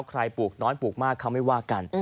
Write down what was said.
ปลูกน้อยปลูกมากเขาไม่ว่ากัน